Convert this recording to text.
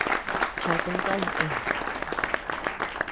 Chakun kay néne.